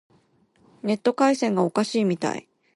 ネット回線がおかしいみたい。